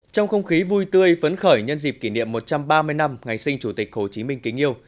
trong không khí vui tươi phấn khởi nhân dịp kỷ niệm một trăm ba mươi năm ngày sinh chủ tịch hồ chí minh kính yêu